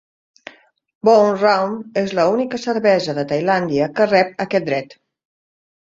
Boon Rawd és la única cervesera de Tailàndia que rep aquest dret.